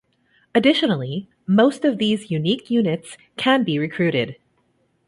Additionally, most of these unique units can be recruited.